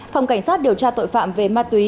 phòng cảnh sát điều tra tội phạm về ma túy